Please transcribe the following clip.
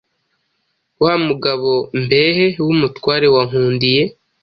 Wa mugabo Mbehe w’umutware wa Nkundiye,